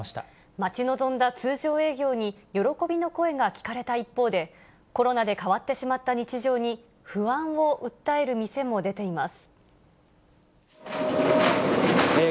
待ち望んだ通常営業に、喜びの声が聞かれた一方で、コロナで変わってしまった日常に不安を訴える店も出ています。